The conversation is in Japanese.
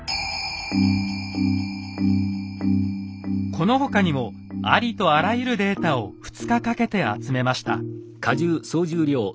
この他にもありとあらゆるデータを２日かけて集めました。